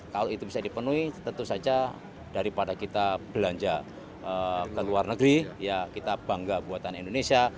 kalau itu bisa dipenuhi tentu saja daripada kita belanja ke luar negeri ya kita bangga buatan indonesia